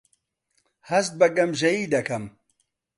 هەست بە گەمژەیی دەکەم.